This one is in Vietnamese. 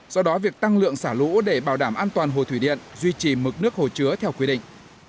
do đó việc tăng lượng xả lũ để bảo đảm an toàn hồ thủy điện duy trì mực nước hồ chứa theo quy định